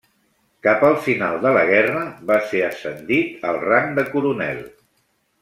Cap al final de la guerra va ser ascendit al rang de coronel.